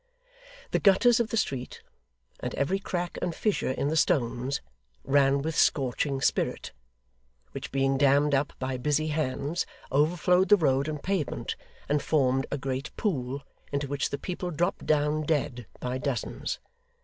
The gutters of the street, and every crack and fissure in the stones, ran with scorching spirit, which being dammed up by busy hands, overflowed the road and pavement, and formed a great pool, into which the people dropped down dead by dozens.